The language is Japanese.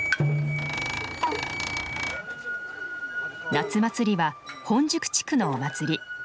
夏祭りは本宿地区のお祭り。